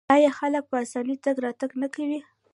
آیا خلک په اسانۍ تګ راتګ نه کوي؟